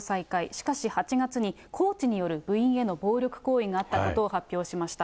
しかし、８月にコーチによる部員への暴力行為があったことを発表しました。